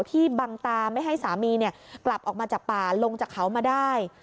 ที่บังตาไม่ให้สามีกลับออกมาจากป่าลงจากเขามาได้